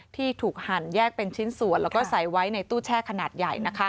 ที่ถูกหั่นแยกเป็นชิ้นส่วนแล้วก็ใส่ไว้ในตู้แช่ขนาดใหญ่